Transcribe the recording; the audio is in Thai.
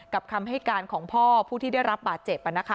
คำให้การของพ่อผู้ที่ได้รับบาดเจ็บ